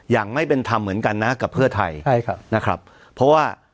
อย่างไม่เป็นธรรมเหมือนกันนะกับเพื่อไทยใช่ครับนะครับเพราะว่า